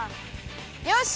よし！